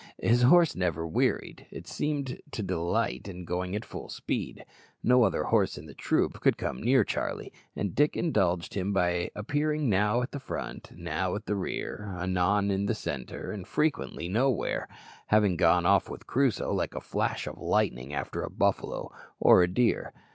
His horse never wearied; it seemed to delight in going at full speed; no other horse in the troop could come near Charlie, and Dick indulged him by appearing now at the front, now at the rear, anon in the centre, and frequently nowhere! having gone off with Crusoe like a flash of lightning after a buffalo or a deer.